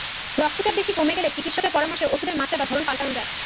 রক্তচাপ বেশি কমে গেলে চিকিৎসকের পরামর্শে ওষুধের মাত্রা বা ধরন পাল্টানো যায়।